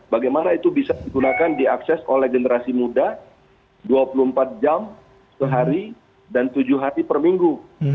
bagaimana itu bisa digunakan diakses oleh generasi muda dua puluh empat jam sehari dan tujuh hari per minggu